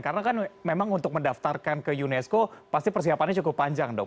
karena kan memang untuk mendaftarkan ke unesco pasti persiapannya cukup panjang dong